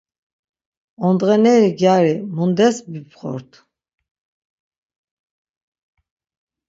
Ondğeneri gyari mundes bipxort?